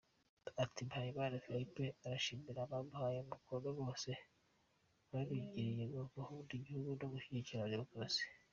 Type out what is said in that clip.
Ati “Mpayimana Philippe arashimira abamuhaye umukono bose, babigiriye gukunda igihugu no gushyigikira demokarasi.